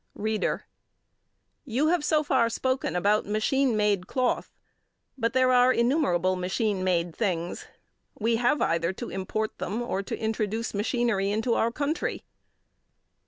READER: You have so far spoken about machine made cloth, but there are innumerable machine made things. We have either to import them or to introduce machinery into our country.